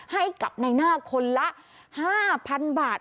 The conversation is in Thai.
ให้กับในหน้าคนละ๕๐๐๐บาท